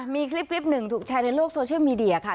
มีคลิป๑ถูกแชร์ในโลกโซเชียลมีดียาก่อน